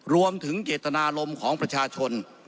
รวมถึงเจตนารมณ์ของประชาชน